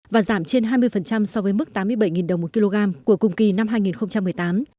và giảm trên hai mươi so với mức tám mươi bảy đồng một kg của cùng kỳ năm hai nghìn một mươi tám